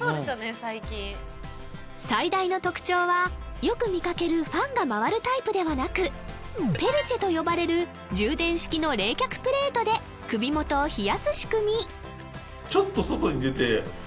最近最大の特徴はよく見かけるファンが回るタイプではなくペルチェと呼ばれる充電式の冷却プレートで首元を冷やす仕組み